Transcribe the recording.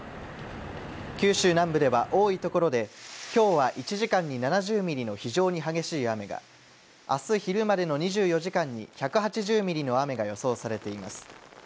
九州南部では多いところで今日は１時間に７０ミリの非常に激しい雨が明日昼までの２４時間に１８０ミリの雨が予想されています。